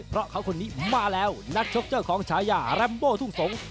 เพราะเขาคนนี้มาแล้วนักชกเจ้าของฉายาแรมโบทุ่งสงศ์